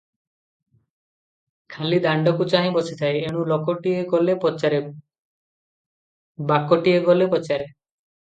ଖାଲି ଦାଣ୍ତକୁ ଚାହିଁ ବସିଥାଏ, ଏଣୁ ଲୋକଟିଏ ଗଲେ ପଚାରେ, ବାକଟିଏ ଗଲେ ପଚାରେ ।"